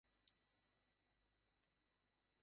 সেইজন্য সকলেরই বাঁধাবাঁধি নিয়মের ভিতরে থাকা আবশ্যক।